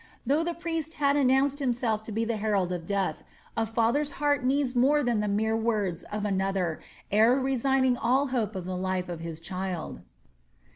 Though the priest had announced himself to be the herald of death, a father's heart needs more than the mere words of another ere resigning all hope of the life of his child.